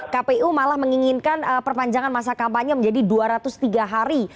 kpu malah menginginkan perpanjangan masa kampanye menjadi dua ratus tiga hari